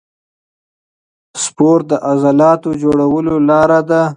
سپورت د عضلاتو جوړولو لاره ده.